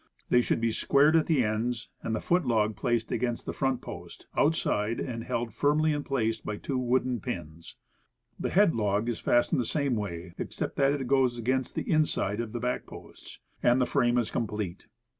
They should be squared at ends, and the foot log placed against the front post, out side, and held firmly in place by two wooden pins. The head log is fastened the same way, except that it goes against the inside of the back posts; and the frame is complete.